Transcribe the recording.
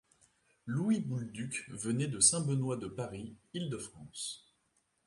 Louis Boulduc venait de St Benoit de Paris, l'Île-de-France.